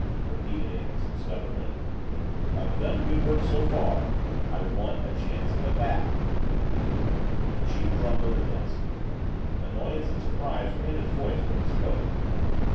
repeated Anderson stubbornly. "If I've done good work so far I want a chance at the Bat!" The chief drummed on the desk. Annoyance and surprise were in his voice when he spoke.